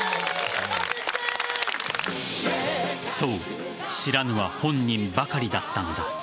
そう知らぬは本人ばかりだったのだ。